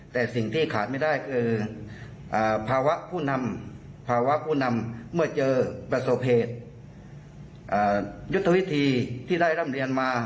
แต่สิ่งที่ขาดไม่ได้คือภาวะผู้นำภาวะผู้นำเมื่อเจอประสบเหตุยุทธวิธีที่ได้ร่ำเรียนมา